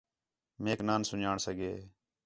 میک نان سُن٘ڄاݨ سڳے